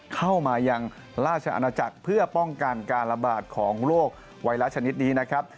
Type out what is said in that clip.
เข้ามายังราชอาณาจักรเพื่อป้องกันการระบาดของโรคไวรัสชนิดนี้นะครับ